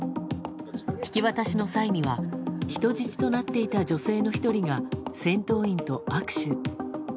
引き渡しの際には人質となっていた女性の１人が戦闘員と握手。